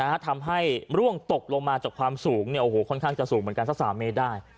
ทำให้ร่วงตกลงมาจากความสูงเนี่ยโอ้โหค่อนข้างจะสูงเหมือนกันสักสามเมตรได้